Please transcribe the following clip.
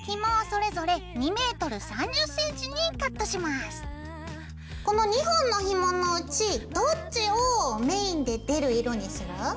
まずこの２本のひものうちどっちをメインで出る色にする？